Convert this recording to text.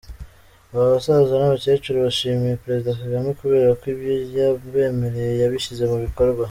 Aba basaza n’abakecuru bashimiye Perezida Kagame kubera ko ibyo yabemereye yabishyize mu bikorwa.